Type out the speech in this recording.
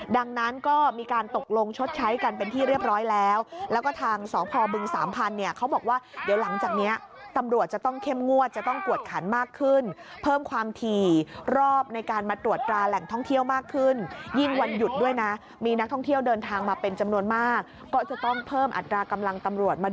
ดังนั้นก็มีการตกลงชดใช้กันเป็นที่เรียบร้อยแล้วแล้วก็ทางสพบึงสามพันธุ์เนี่ยเขาบอกว่าเดี๋ยวหลังจากนี้ตำรวจจะต้องเข้มงวดจะต้องกวดขันมากขึ้นเพิ่มความถี่รอบในการมาตรวจตราแหล่งท่องเที่ยวมากขึ้นยิ่งวันหยุดด้วยนะมีนักท่องเที่ยวเดินทางมาเป็นจำนวนมากก็จะต้องเพิ่มอัตรากำลังตำรวจมา